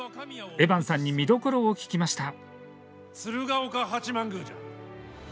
エバンさんに見どころを聞きました。